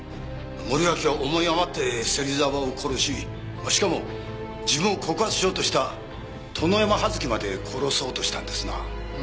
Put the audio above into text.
森脇は思い余って芹沢を殺ししかも自分を告発しようとした殿山葉月まで殺そうとしたんですな。